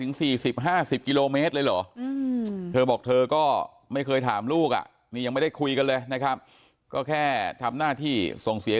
เล่น๑๗๐๐กิโลเมตรเลยหรอเธอบอกเธอก็ไม่เคยถามลูกหนึ่งไม่ได้คุยกันเลยนะครับก็แค่ทำหน้าที่ส่งเสียเลี้ยง